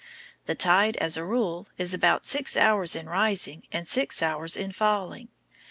The tide, as a rule, is about six hours in rising and six hours in falling.